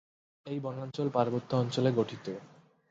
এই বনাঞ্চল পার্বত্য অঞ্চলে গঠিত।